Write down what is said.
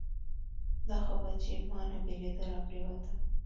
دا خو بهٔ چې مانه بېلېده راپرېوته